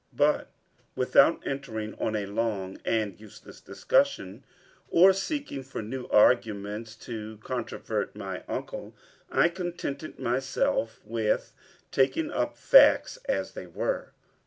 But without entering on a long and useless discussion, or seeking for new arguments to controvert my uncle, I contented myself with taking up facts as they were.